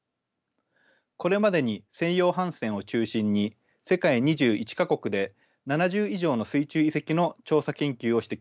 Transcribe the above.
これまでに西洋帆船を中心に世界２１か国で７０以上の水中遺跡の調査研究をしてきました。